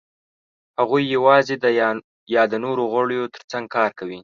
هغوی یواځې یا د نورو غویو تر څنګ کار کوي.